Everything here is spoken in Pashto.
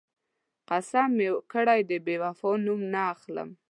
قسم مې کړی، د بېوفا نوم نه اخلم.